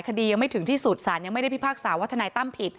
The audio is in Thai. คดียังไม่ถึงที่สุดสารยังไม่ได้พิพากษาว่าทนายตั้มผิด